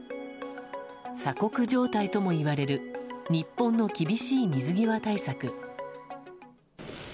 鎖国状態ともいわれる日本の厳しい水際対策。